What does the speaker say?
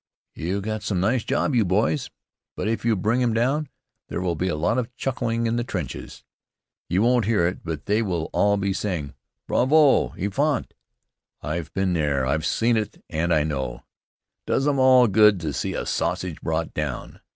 "You got some nice job, you boys. But if you bring him down, there will be a lot of chuckling in the trenches. You won't hear it, but they will all be saying, 'Bravo! Épatant!' I've been there. I've seen it and I know. Does 'em all good to see a sausage brought down.